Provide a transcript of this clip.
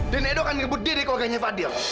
dan edo kan rebut dia deh keluarganya fadil